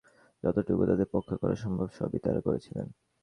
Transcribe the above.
যতটুকু তাদের পক্ষে করা সম্ভব সবই তারা করেছিল।